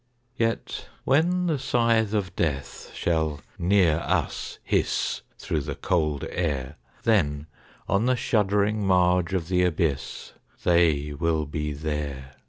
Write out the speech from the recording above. Yet when the scythe of Death shall near us hiss Through the cold air, Then on the shuddering marge of the abyss They will be there.